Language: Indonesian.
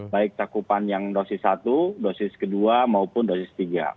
baik cakupan yang dosis satu dosis kedua maupun dosis tiga